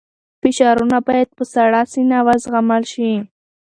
فشارونه باید په سړه سینه وزغمل شي.